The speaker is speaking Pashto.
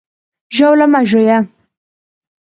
ژاوله مه ژویه!